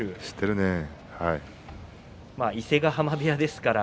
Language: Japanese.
伊勢ヶ濱部屋ですから